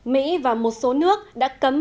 mỹ và một số nước đã cấm